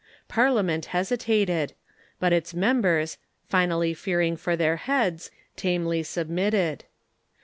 Par liament hesitated ; but its members, finally fearing for their heads, tamely submitted.